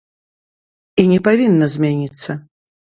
І не павінна змяніцца.